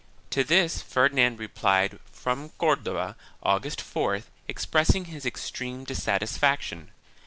To this Ferdinand replied from Cordova, August 4th, expressing his extreme dissatisfaction.